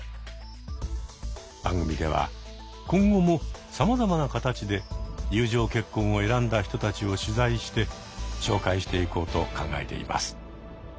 番組では今後もさまざまな形で友情結婚を選んだ人たちを取材して紹介していこうと考えています。